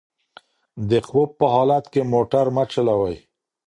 د خوب په حالت کې موټر مه چلوئ.